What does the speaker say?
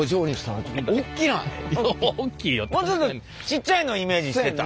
もうちょっとちっちゃいのイメージしてた。